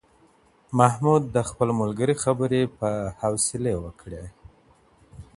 محمود د خپل ملګري خبره په حوصلې وکړې .